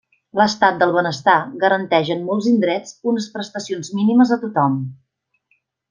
L'Estat del benestar garanteix en molts indrets unes prestacions mínimes a tothom.